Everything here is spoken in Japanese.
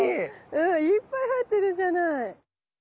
うんいっぱい生えてるじゃない。